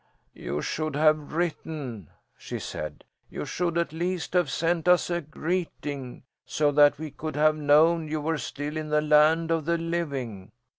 "You should have written," she said. "You should at least have sent us a greeting, so that we could have known you were still in the land of the living."